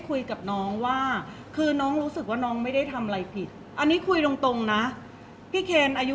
เพราะว่าสิ่งเหล่านี้มันเป็นสิ่งที่ไม่มีพยาน